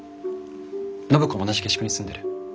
暢子も同じ下宿に住んでる。